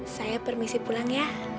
saya permisi pulang ya